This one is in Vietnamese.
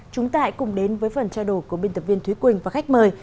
chúng ta hãy cùng đến với phần trao đổi của biên tập viên thúy quỳnh và khách mời